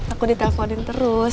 aku diteleponin terus